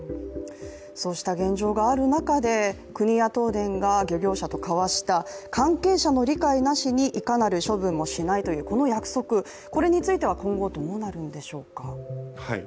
そうした現状がある中で、国や東電が漁業者と交わした関係者の理解なしにいかなる処分もしないというこの約束、これについては今後、どうなるんでしょうか。